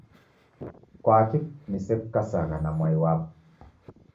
Kwaki nisekukasagha na mwai wapo?